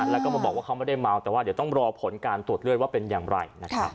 แล้วก็มาบอกว่าเขาไม่ได้เมาแต่ว่าเดี๋ยวต้องรอผลการตรวจเลือดว่าเป็นอย่างไรนะครับ